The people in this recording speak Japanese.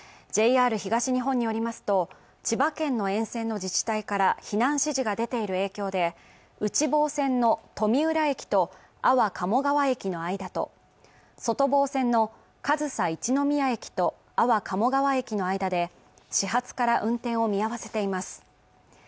ＪＲ東日本によりますと、千葉県の沿線の自治体から避難指示が出ている影響で、内房線の富浦駅と安房鴨川駅の間と外房線の上総一ノ宮駅と安房鴨川駅の間で、始発から運転を見合わせています。